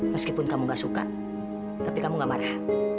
meskipun kamu gak suka tapi kamu gak marah